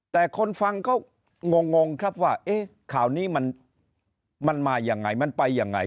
แต่คนฟังก็งงครับว่าเอ๊ะข่าวนี้มันมายังไงมันไปยังไง